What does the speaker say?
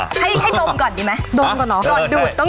ให้ดมก่อนดีไหม